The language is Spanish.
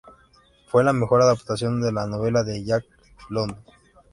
Fue la mejor adaptación de la novela de Jack London.